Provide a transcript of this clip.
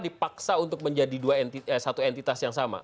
dipaksa untuk menjadi satu entitas yang sama